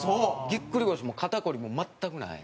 ぎっくり腰も肩凝りも全くない。